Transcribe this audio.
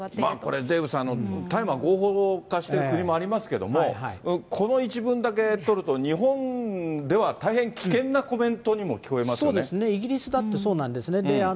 これ、デーブさん、大麻、合法化している国もありますけど、この一文だけ取ると、日本では大変危険なコメントにも聞こえますそうですね、イギリスだってそうなんですね。